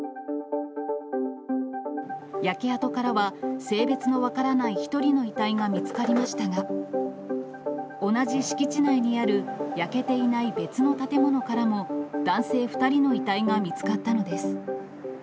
焼け跡からは性別の分からない１人の遺体が見つかりましたが、同じ敷地内にある焼けていない別の建物からも、男性２人の遺体が見つかったのです。